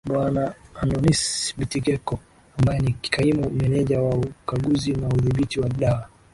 bwana andonis bitegeko ambaye ni kaimu meneja wa ukaguzi na udhibiti wa dawa